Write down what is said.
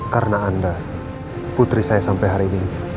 karena anda putri saya sampai hari ini